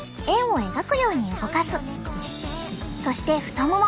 そして太もも。